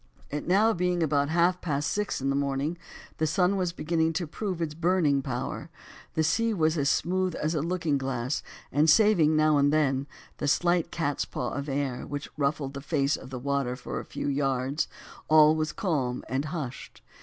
It now being about half past six in the morning, the sun was beginning to prove its burning power, the sea was as smooth as a looking glass, and saving now and then, the slight cat's paw of air, which ruffled the face of the water for a few yards, all was calm and hushed.